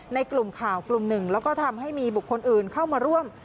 ในกลุ่มข่าวกลุ่มหนึ่งแล้วก็ทำให้มีบุคคลอื่นเข้ามาร่วม